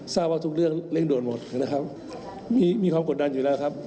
ทราบว่าทุกเรื่องเร่งด่วนหมดนะครับมีความกดดันอยู่แล้วครับ